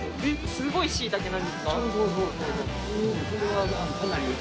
すごいしいたけなんですか？